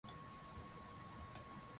Vitu vilivyosemwa ni vya muhimu